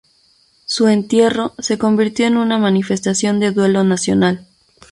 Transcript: Su entierro se convirtió en una manifestación de duelo nacional.